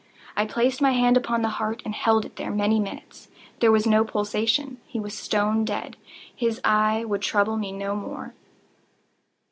I placed my hand upon the heart and held it there many minutes. There was no pulsation. He was stone dead. His eye would trouble me no more.